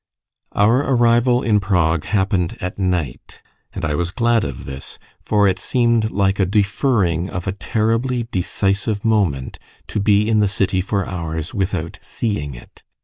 Our arrival in Prague happened at night, and I was glad of this, for it seemed like a deferring of a terribly decisive moment, to be in the city for hours without seeing it.